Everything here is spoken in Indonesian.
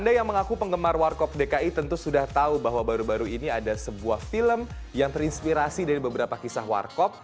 anda yang mengaku penggemar warkop dki tentu sudah tahu bahwa baru baru ini ada sebuah film yang terinspirasi dari beberapa kisah warkop